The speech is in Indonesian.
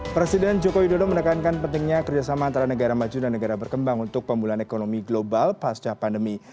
presiden joko widodo menekankan pentingnya kerjasama antara negara maju dan negara berkembang untuk pemulihan ekonomi global pasca pandemi